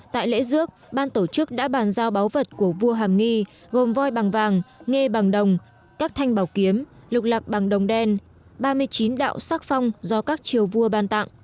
tại lễ dước ban tổ chức đã bàn giao báu vật của vua hàm nghi gồm voi bằng vàng nghe bằng đồng các thanh bảo kiếm lục lạc bằng đồng đen ba mươi chín đạo sắc phong do các triều vua ban tặng